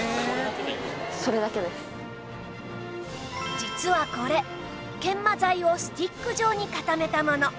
実はこれ研磨剤をスティック状に固めたもの